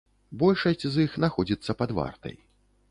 Большасць з іх знаходзіцца пад вартай.